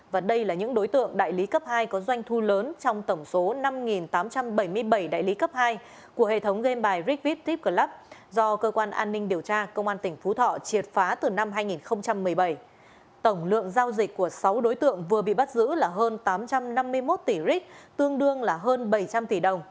và đây là những đối tượng đại lý cấp hai có doanh thu lớn trong tổng số năm tám trăm bảy mươi bảy đại lý cấp hai của hệ thống game bài rig fit tip club do cơ quan an ninh điều tra công an tỉnh phú thọ triệt phá từ năm hai nghìn một mươi bảy